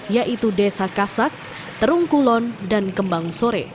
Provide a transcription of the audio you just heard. yaitu desa kasak terung kulon dan kembang sore